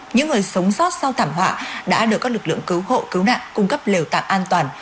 những người sống sót sau thảm họa đã được các lực lượng cứu hộ cứu nạn cung cấp liều tạc an toàn